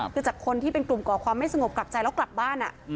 คือจากคนที่เป็นกลุ่มก่อความไม่สงบกลับใจแล้วกลับบ้าน